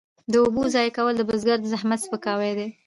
د اوبو ضایع کول د بزګر د زحمت سپکاوی دی.